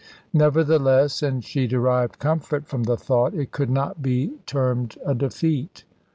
Nevertheless and she derived comfort from the thought it could not be termed a defeat.